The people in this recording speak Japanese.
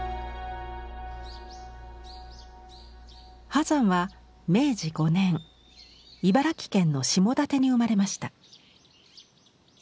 波山は明治５年茨城県の下館に生まれました。